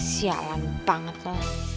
sialan banget lah